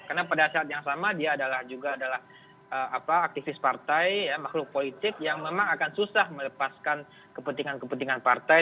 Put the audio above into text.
karena pada saat yang sama dia adalah juga adalah aktivis partai makhluk politik yang memang akan susah melepaskan kepentingan kepentingan partai